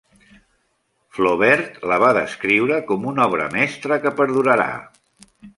Flaubert la va descriure com una obra mestra que perdurarà.